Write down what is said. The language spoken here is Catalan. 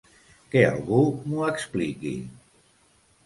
Que algú m'ho expliqui!